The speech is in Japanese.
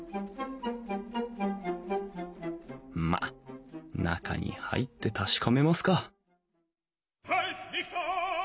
まっ中に入って確かめますか